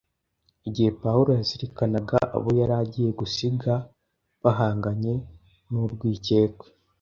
Igihe Pawulo yazirikanaga abo yari agiye gusiga bahanganye n’urwikekwe,